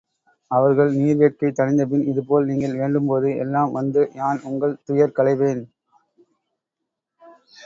அவர்கள் நீர் வேட்கை தணித்தபின், இதுபோல் நீங்கள் வேண்டும்போது எல்லாம் வந்து யான் உங்கள் துயர் களைவேன்!